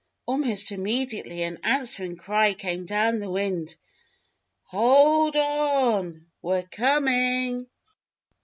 Almost immediately an answering cry came down the wind: "Hold o on! We're coming!"